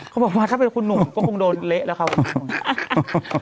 เขาบอกว่าถ้าเป็นคุณหนุ่มก็คงโดนเละแล้วครับคุณหนุ่ม